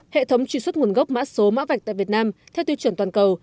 hệ thống truy xuất nguồn gốc mã số mã vạch tại việt nam theo tiêu chuẩn toàn cầu